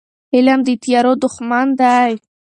علم د تیارو دښمن دی.